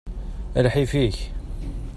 A lḥif-ik!